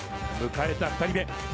迎えた２人目。